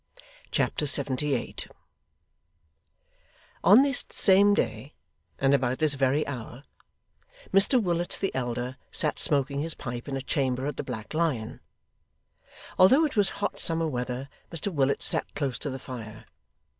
Chapter 78 On this same day, and about this very hour, Mr Willet the elder sat smoking his pipe in a chamber at the Black Lion. Although it was hot summer weather, Mr Willet sat close to the fire.